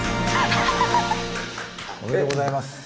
おめでとうございます！